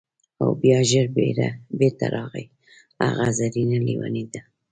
او بیا ژر بیرته راغی: هغه زرینه لیونۍ ده!